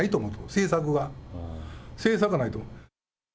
政策は、政策がないと思う。